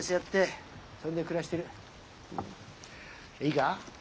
いいか？